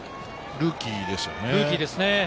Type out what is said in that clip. ルーキーですよね。